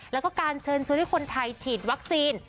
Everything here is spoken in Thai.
แล้วก็การเชิญชวนให้คนไทยฉีดวัคซีน